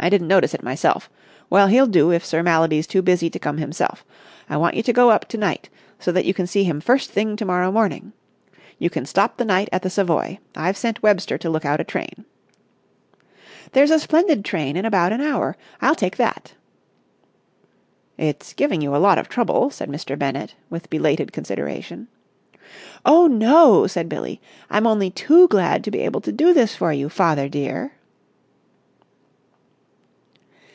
"I didn't notice it myself. Well, he'll do, if Sir Mallaby's too busy to come himself. I want you to go up to night, so that you can see him first thing to morrow morning. You can stop the night at the Savoy. I've sent Webster to look out a train." "There's a splendid train in about an hour. I'll take that." "It's giving you a lot of trouble," said Mr. Bennett, with belated consideration. "Oh, no!" said Billie. "I'm only too glad to be able to do this for you, father dear!"